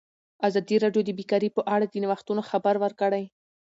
ازادي راډیو د بیکاري په اړه د نوښتونو خبر ورکړی.